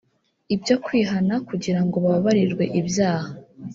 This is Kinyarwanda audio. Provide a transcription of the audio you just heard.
ibyo kwihana kugira ngo bababarirwe ibyaha